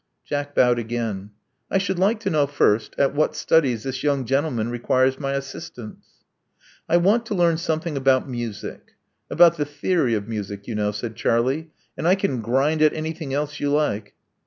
Jack bowed again. I should like to know, first, at what studies this young gentleman requires my assistance." I want to learn something about music — ^about the. theory of music, you know," said Charlie; and I can grind at anything else you like."